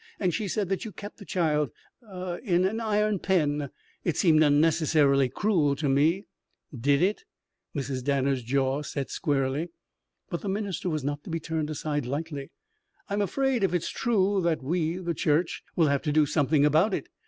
And she said that you kept the child ah in an iron pen. It seemed unnecessarily cruel to me " "Did it?" Mrs. Danner's jaw set squarely. But the minister was not to be turned aside lightly. "I'm afraid, if it's true, that we the church will have to do something about it.